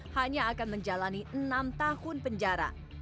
hanya akan menjalani enam tahun penjara